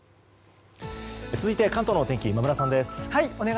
続いて、関東のお天気今村さんです。